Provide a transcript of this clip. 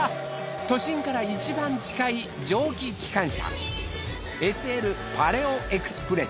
都心から一番近い蒸気機関車ＳＬパレオエクスプレス。